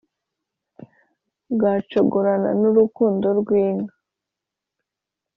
bwacogoranaga n’urukundo rw’inka.